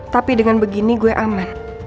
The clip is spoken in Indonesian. tapi dengan begini gue aman